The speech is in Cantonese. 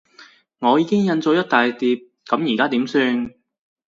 我已經印咗一大疊，噉而家點算？